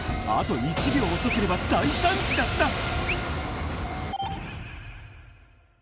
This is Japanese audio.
あと１秒遅ければ、大惨事だった。